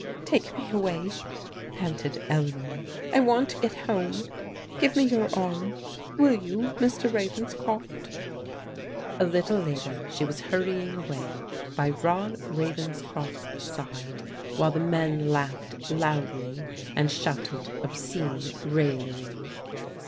" Take me away !" panted Eleanor. I want to get home. Give me your arm, will you, Mr. Ravenscroft?" A little later she was hurrying away by Rod Ravens croft's side, while the men laughed loudly and shouted obscene raillery.